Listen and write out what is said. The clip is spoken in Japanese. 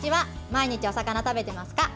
毎日お魚食べてますか？